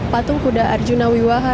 patung kuda arjuna wiwaha